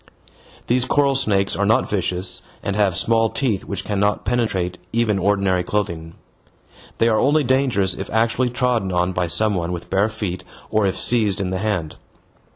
These coral snakes are not vicious and have small teeth which cannot penetrate even ordinary clothing. They are only dangerous if actually trodden on by some one with bare feet or if seized in the hand.